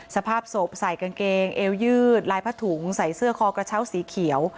สภาพศพใส่กางเกงเอวยืดลายผ้าถุงใส่เสื้อคอกระเช้าสีเขียว